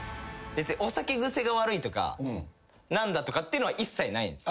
お酒癖が悪いとか何だとかっていうのは一切ないんです。